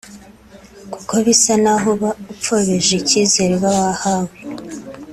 kuko bisa n’aho uba upfobeje icyizere uba wahawe